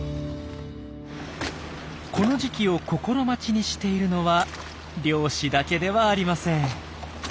この時期を心待ちにしているのは漁師だけではありません。